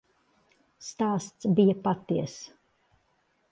Stāsts bija patiess.